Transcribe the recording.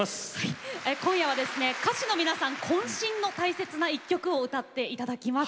今夜は歌手の皆さんこん身の大切な一曲を歌って頂きます。